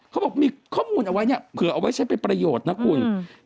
เขาบอกมีข้อมูลเอาไว้เนี่ยเผื่อเอาไว้ใช้เป็นประโยชน์นะคุณ